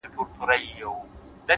هره ورځ د اغېزمن ژوند فرصت لري,